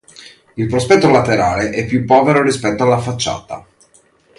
Il prospetto laterale è più povero rispetto alla facciata.